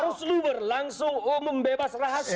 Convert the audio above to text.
harus lu berlangsung umum bebas rahasia